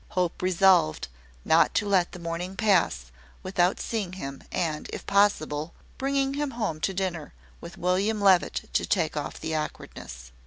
Hope resolved not to let the morning pass without seeing him, and, if possible, bringing him home to dinner, with William Levitt to take off the awkwardness.